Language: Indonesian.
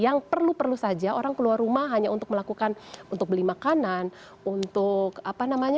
yang perlu perlu saja orang keluar rumah hanya untuk melakukan untuk beli makanan untuk apa namanya